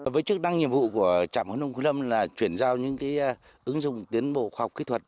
với chức đăng nhiệm vụ của trạm hồ nông khối lâm là chuyển giao những cái ứng dụng tiến bộ khoa học kỹ thuật